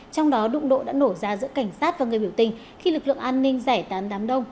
trong đó đụng độ đã nổ ra giữa cảnh sát và người biểu tình khi lực lượng an ninh giải tán đám đông